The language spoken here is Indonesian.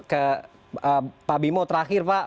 ke pak bimo terakhir pak